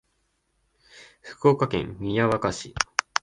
福岡県宮若市